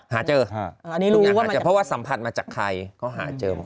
หาเจอเพราะว่าสัมผัสมาจากใครก็หาเจอ